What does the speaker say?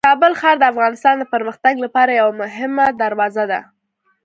کابل ښار د افغانستان د پرمختګ لپاره یوه مهمه دروازه ده.